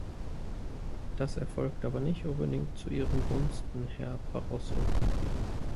Das erfolgt aber nicht unbedingt zu Ihren Gunsten, Herr Barroso.